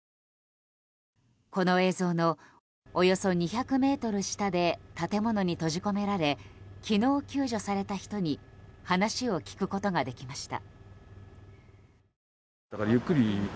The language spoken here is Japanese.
この映像のおよそ２００ｍ下で建物に閉じ込められ昨日、救助された人に話を聞くことができました。